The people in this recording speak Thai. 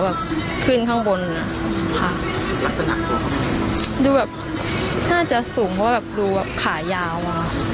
ดูแบบขึ้นข้างบนดูแบบน่าจะสูงเพราะดูขายาว